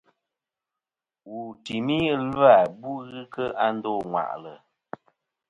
Wù n-tùmi ɨlvâ bu ghɨ kɨ a ndô ŋwàʼlɨ̀.